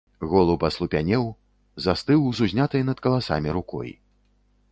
Голуб аслупянеў, застыў з узнятай над каласамі рукой.